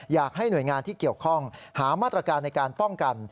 อยากให้หน่วยงานที่เกี่ยวข้องหามาตรการในการป้องกัน